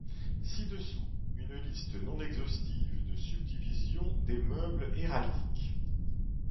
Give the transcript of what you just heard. Ci-dessous, une liste, non exhaustive, de subdivisions des meubles héraldiques.